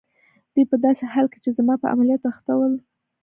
دوی په داسې حال کې چي زما په عملیاتو اخته ول.